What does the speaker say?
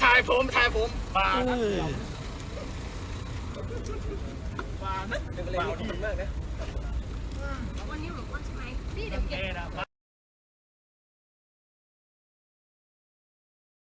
ถ่ายผมถ่ายผมป่านะ